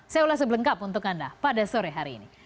saya ulas sebelengkap untuk anda pada sore hari ini